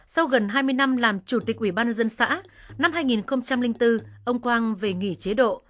sau gần hai mươi năm làm chủ tịch ủy ban dân xã năm hai nghìn bốn ông quang về nghỉ chế độ